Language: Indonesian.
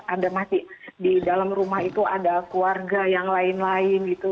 ada masih di dalam rumah itu ada keluarga yang lain lain gitu